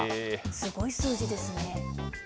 すごい数字ですね。